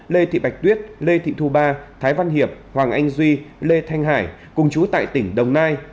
lê thị bạch tuyết lê thị thu ba thái văn hiệp hoàng anh duy lê thanh hải cùng chú tại tỉnh đồng nai